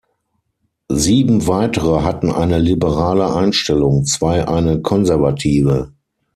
Sieben weitere hatten eine liberale Einstellung, zwei eine konservative.